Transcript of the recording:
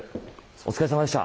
お疲れさまでした。